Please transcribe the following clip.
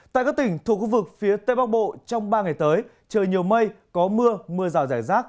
tại các tỉnh thuộc khu vực phía tây bắc bộ trong ba ngày tới trời nhiều mây có mưa mưa rào rải rác